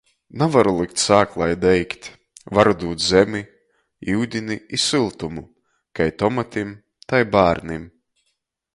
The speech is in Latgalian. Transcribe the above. Navaru likt sāklai deigt. Varu dūt zemi, iudini i syltumu. Kai tomatim, tai bārnim.